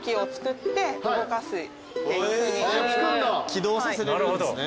起動させれるんですね。